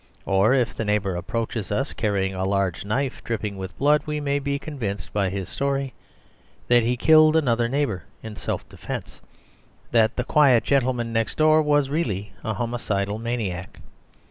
Or if the neighbour approaches us carrying a large knife dripping with blood, we may be convinced by his story that he killed another neighbour in self defence, that the quiet gentleman next door was really a homicidal maniac.